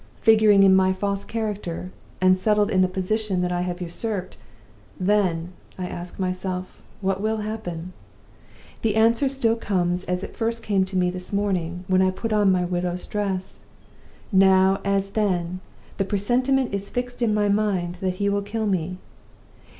figuring in my false character, and settled in the position that I have usurped then, I ask myself, What will happen? The answer still comes as it first came to me this morning, when I put on my widow's dress. Now, as then, the presentiment is fixed in my mind that he will kill me.